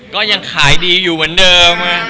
ก็ยังขายดีอยู่เหมือนเดิม